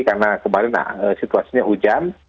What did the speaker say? karena kemarin situasinya hujan